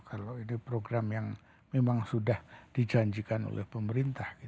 kalau ini program yang memang sudah dijanjikan oleh pemerintah